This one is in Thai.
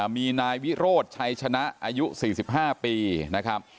มีนายวิโรธชัยชนะอายุ๔๕ปีนะครับ